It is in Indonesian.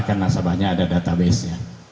karena nasabahnya ada database nya